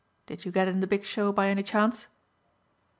Did you get in the big show by any chance?"